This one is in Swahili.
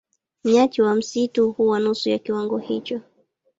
Nyati wa msitu huwa nusu ya kiwango hicho.